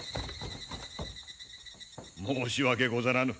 申し訳ござらぬ。